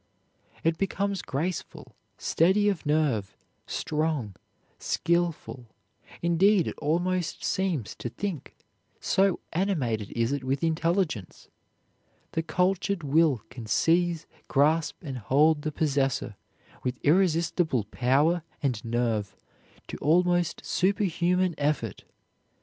It becomes graceful, steady of nerve, strong, skilful, indeed it almost seems to think, so animated is it with intelligence. The cultured will can seize, grasp, and hold the possessor, with irresistible power and nerve, to almost superhuman effort.